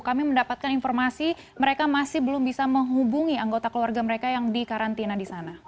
kami mendapatkan informasi mereka masih belum bisa menghubungi anggota keluarga mereka yang dikarantina di sana